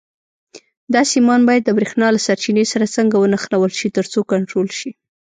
دا سیمان باید د برېښنا له سرچینې سره څنګه ونښلول شي ترڅو کنټرول شي.